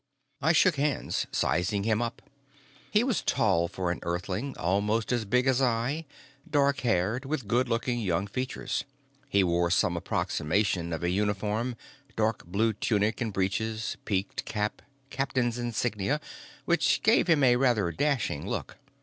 I shook hands, sizing him up. He was tall for an Earthling, almost as big as I, dark haired, with good looking young features. He wore some approximation of a uniform, dark blue tunic and breeches, peaked cap, captain's insignia, which gave him a rather dashing look.